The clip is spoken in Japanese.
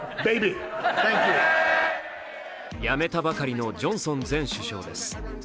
辞めたばかりのジョンソン前首相です。